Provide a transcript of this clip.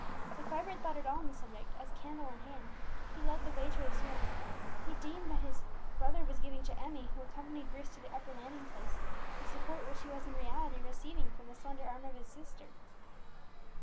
If Vibert thought at all on the subject, as, candle in hand, he led the way to his room, he deemed that his brother was giving to Emmie, who accompanied Bruce to the upper landing place, the support which he was in reality receiving from the slender arm of his sister.